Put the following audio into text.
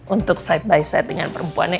untuk side by side dengan perempuannya